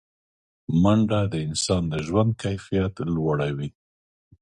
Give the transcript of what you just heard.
منډه د انسان د ژوند کیفیت لوړوي